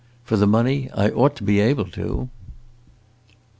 For the money, I ought to be able to!"